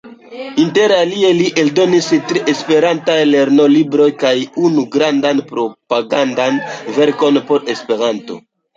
Interalie li eldonis tri esperantajn lernolibrojn kaj unu grandan propagandan verkon por Esperanto.